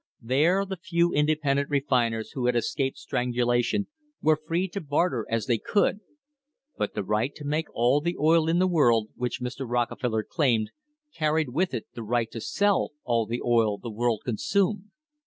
There the few independent refiners who had escaped strangulation were free to barter as they THE HISTORY OF THE STANDARD OIL COMPANY could. But the right to make all the oil in the world, which Mr. Rockefeller claimed, carried with it the right to sell all the oil the world consumed.